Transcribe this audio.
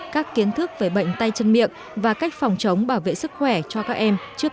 các kiến thức về bệnh tay chân miệng và cách phòng chống bảo vệ sức khỏe cho các em trước